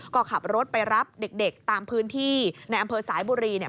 ก็ขับรถไปรับเด็กตามพื้นที่ในอำเภอสายบุรีเนี่ย